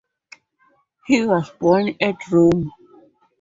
He was born at Rome.